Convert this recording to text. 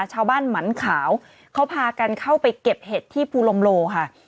หมั่นขาวเขาพากันเข้าไปเก็บเห็ดที่ภูลมโลค่ะ